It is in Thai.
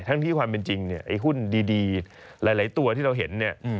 ทั้งที่ความเป็นจริงหุ้นดีหลายตัวที่เราเห็น